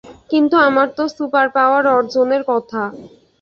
কিন্তু আমার তো সুপারপাওয়ার অর্জনের কথা!